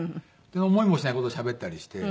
思いもしない事をしゃべったりして。